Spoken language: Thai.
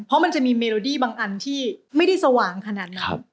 เพราะมันจะมีเมโลดี้บางอันที่ไม่ได้สว่างขนาดนั้น